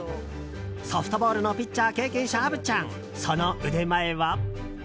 ソフトボールのピッチャー経験者虻ちゃん、その腕前は？